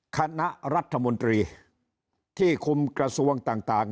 คณะรัฐมนตรีที่คุมกระทรวงต่าง